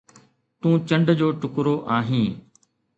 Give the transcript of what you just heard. تون چنڊ جو ٽڪرو آهين.